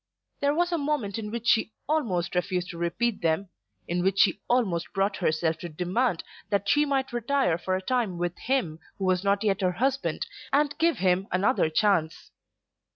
There was a moment in which she almost refused to repeat them, in which she almost brought herself to demand that she might retire for a time with him who was not yet her husband, and give him another chance.